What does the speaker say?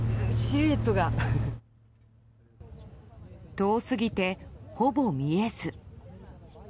遠すぎて、ほぼ見えず。